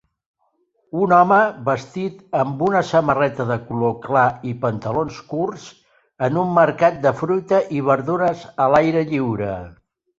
Un home vestit amb una samarreta de color clar i pantalons curts en un mercat de fruita i verdures a l'aire lliure.